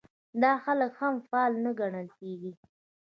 دا خلک هم فعال نه ګڼل کېږي.